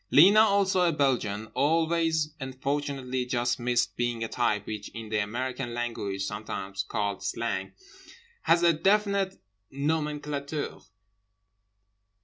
Lena, also a Belgian, always and fortunately just missed being a type which in the American language (sometimes called "Slang") has a definite nomenclature.